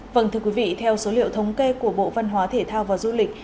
vâng thưa quý vị theo số liệu thống kê của bộ văn hóa thể thao và du lịch